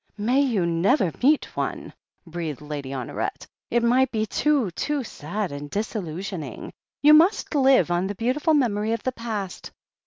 "May you never meet one," breathed Lady Honoret. "It might be too, too sad and disiUusioning. You must live on the beautiful memory of the past.